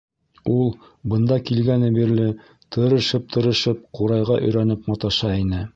Ул, бында килгәне бирле, тырышып-тырышып ҡурайға өйрәнеп маташа ине.